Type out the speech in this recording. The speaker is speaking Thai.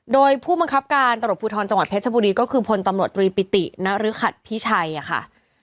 โดยผู้บังคับการตำรวจภูทรจังหวัดเพชรบุรีก็คือพลตำรวจตรีปิตินรึขัดพิชัยค่ะ